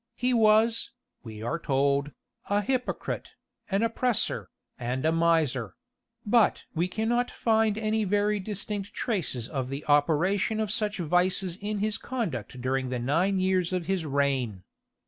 He was, we are told, a hypocrite, an oppresser, and a miser; but we cannot find any very distinct traces of the operation of such vices in his conduct during the nine years of his reign.